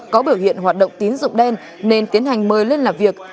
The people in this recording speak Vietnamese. có biểu hiện hoạt động tín dụng đen nên tiến hành mời lên làm việc